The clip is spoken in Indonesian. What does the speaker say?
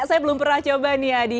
saya belum pernah coba nih adi